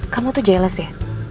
kamu tuh jealous ya